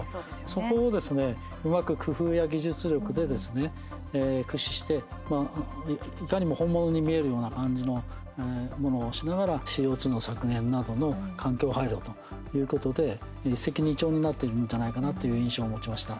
そこをですねうまく工夫や技術力でですね、駆使していかにも本物に見えるような感じのものをしながらＣＯ２の削減などの環境配慮ということで一石二鳥になっているんじゃないかなという印象を持ちました。